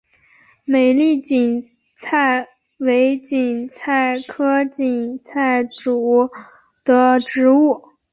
美丽堇菜为堇菜科堇菜属的植物。